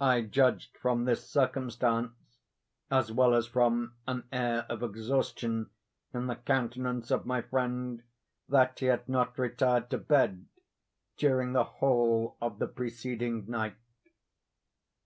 I judge from this circumstance, as well as from an air of exhaustion in the countenance of my friend, that he had not retired to bed during the whole of the preceding night.